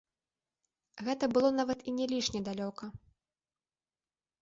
Гэта было нават і не лішне далёка.